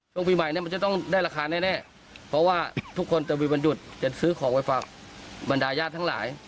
ช่วงปีใหม่เนี่ยมันจะต้องได้ราคาแน่เพราะว่าทุกคนจะมีวันหยุดจะซื้อของไปฝากบรรดาญาติทั้งหลาย